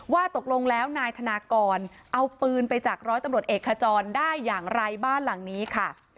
ว่าตกลงแล้วนายธนากรเอาปืนไปจากร้อยตำรวจเอกขจรได้อย่างไรบ้านหลังนี้ค่ะ